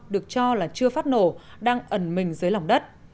được cho là chưa phát nổ đang ẩn mình dưới lòng đất